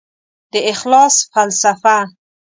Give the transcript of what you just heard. د اخلاص فلسفه